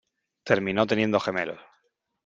Terminó teniendo gemelos.